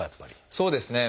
そうですね